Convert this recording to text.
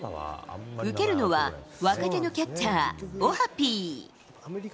受けるのは、若手のキャッチャー、オハピー。